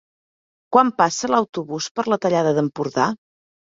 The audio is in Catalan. Quan passa l'autobús per la Tallada d'Empordà?